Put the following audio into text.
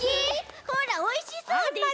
ほらおいしそうでしょ？